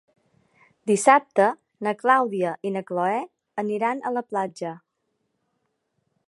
Dissabte na Clàudia i na Cloè aniran a la platja.